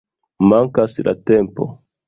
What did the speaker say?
Mankas la tempo.